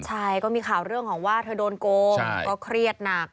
ใช่ก็มีข่าวเรื่องของว่าเธอโดนโกงก็เครียดหนัก